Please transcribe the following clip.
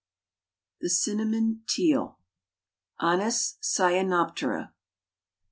] THE CINNAMON TEAL. (_Anas cyanoptera.